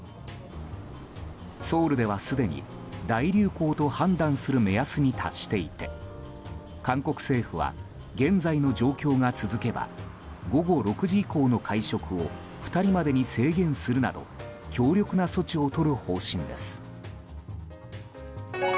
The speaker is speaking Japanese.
ソウルでは、すでに大流行と判断する目安に達していて韓国政府は現在の状況が続けば午後６時以降の会食を２人までに制限するなど強力な措置をとる方針です。